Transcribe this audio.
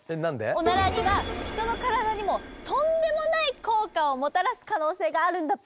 オナラには人の体にもとんでもない効果をもたらす可能性があるんだぷ。